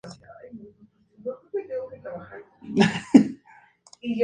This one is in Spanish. Durante este periodo tuvieron que hacer frente a frecuentes atentados y actos guerrilleros.